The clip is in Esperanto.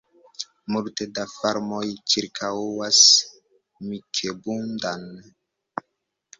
Multe da farmoj ĉirkaŭas Mikebuda-n.